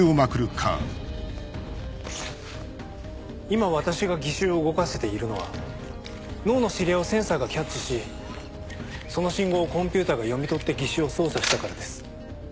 今私が義手を動かせているのは脳の指令をセンサーがキャッチしその信号をコンピューターが読み取って義手を操作したからです。